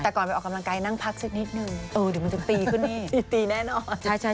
แต่ก่อนไปออกกำลังกายนั่งพักสักนิดนึงเออเดี๋ยวมันจะตีขึ้นนี่ตีแน่นอน